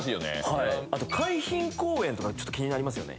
はいあと海浜公園とかちょっと気になりますよね